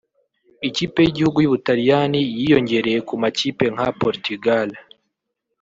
Ikipe y’igihugu y’u Butaliyani yiyongereye ku makipe nka Portugal